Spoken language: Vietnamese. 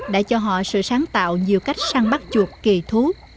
đã cho họ sự sáng tạo nhiều cách săn bắt chuột kỳ thú